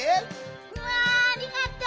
うわありがとう。